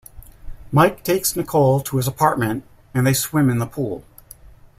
Mike takes Nicole to his apartment, and they swim in the pool.